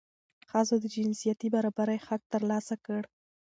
ښځو د جنسیتي برابرۍ حق ترلاسه کړ.